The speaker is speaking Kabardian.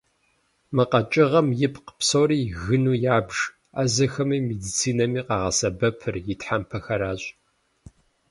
Мы къэкӏыгъэм ипкъ псори гыну ябж, ӏэзэхэми медицинэми къагъэсэбэпыр и тхьэмпэхэращ.